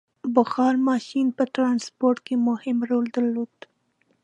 • بخار ماشین په ټرانسپورټ کې مهم رول درلود.